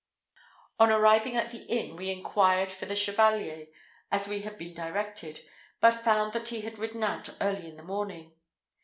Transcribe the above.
On arriving at the inn, we inquired for the Chevalier, as we had been directed, but found that he had ridden out early in the morning.